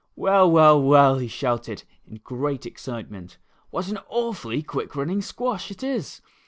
"Well, well, w^ell," he shouted, in great ex citement, " w^hat an awfully quick running squash it is.